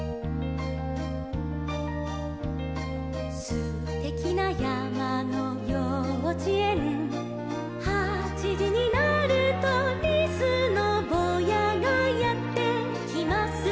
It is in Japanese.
「すてきなやまのようちえん」「はちじになると」「リスのぼうやがやってきます」